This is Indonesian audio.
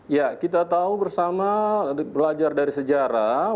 ya kita tahu bersama belajar dari sejarah